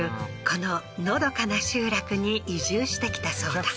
こののどかな集落に移住してきたそうだ